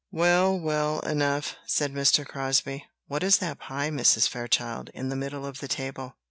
"Well, well enough!" said Mr. Crosbie. "What is that pie, Mrs. Fairchild, in the middle of the table?